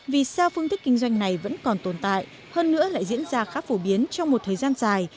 vì sao phương thức kinh doanh này vẫn còn tồn tại hơn nữa lại diễn ra khá phổ biến trong một thời gian dài